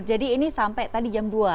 jadi ini sampai tadi jam dua